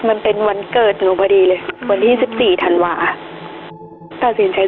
มันเป็นวันเกิดหนูพอดีเลยวันที่สิบสี่ธันวาตัดสินใจ